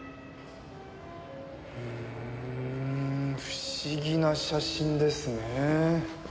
ふーん不思議な写真ですねえ。